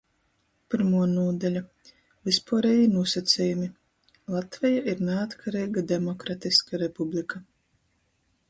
Pyrmuo nūdaļa. Vyspuorejī nūsacejumi. Latveja ir naatkareiga demokratiska republika.